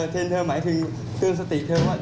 เทนเธอหมายถึงเตือนสติเธอว่า